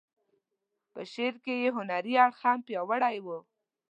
په شعر کې یې هنري اړخ هم پیاوړی و.